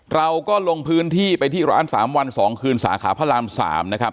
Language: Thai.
เราก็ลงพื้นที่ไปที่ร้าน๓วัน๒คืนสาขาพระราม๓นะครับ